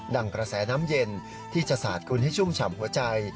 กระแสน้ำเย็นที่จะสาดกุลให้ชุ่มฉ่ำหัวใจ